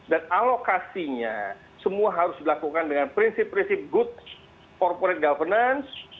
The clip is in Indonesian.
dan alokasinya semua harus dilakukan dengan prinsip prinsip good corporate governance